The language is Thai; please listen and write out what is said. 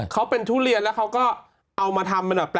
เขาเป็นทุเรียนแล้วเขาก็เอามาทำเป็นแบบแปล